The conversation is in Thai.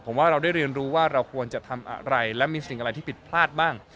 ผมว่าเราได้เรียนรู้ว่าเราควรจะทำอะไรและมีสิ่งอะไรที่ผิดพลาดบ้าง